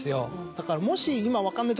だからもし。